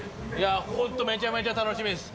本当めちゃめちゃ楽しみです。